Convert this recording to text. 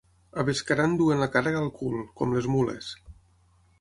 A Bescaran duen la càrrega al cul, com les mules.